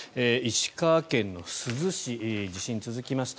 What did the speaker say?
石川県珠洲市地震、続きました。